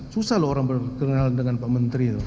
susah loh orang berkenal dengan pak menteri